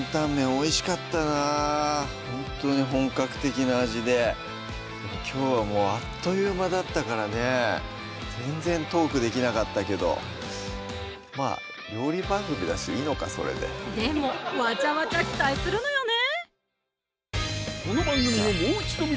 おいしかったなほんとに本格的な味できょうはもうあっという間だったからね全然トークできなかったけどでもわちゃわちゃ期待するのよね！